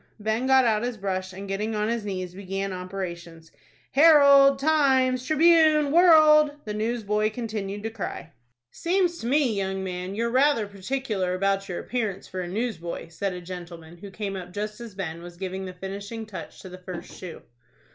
Ben got out his brush, and, getting on his knees, began operations. "'Herald,' 'Times,' 'Tribune,' 'World!'" the newsboy continued to cry. "Seems to me, young man, you're rather particular about your appearance for a newsboy," said a gentleman, who came up just as Ben was giving the finishing touch to the first shoe.